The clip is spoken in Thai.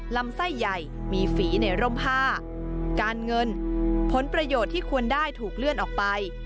ลำไส้ใหญ่มีฝีในร่มผ้าการเงินผลประโยชน์ที่ควรได้ถูกเลื่อนออกไป